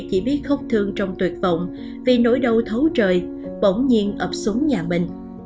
chỉ biết khóc thương trong tuyệt vọng vì nỗi đau thấu trời bỗng nhiên ập súng nhà mình